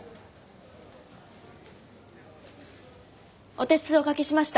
お手数おかけしました。